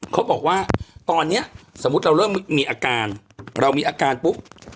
เขาบอกว่าตอนนี้สมมุติเราเริ่มมีอาการเรามีอาการปุ๊บ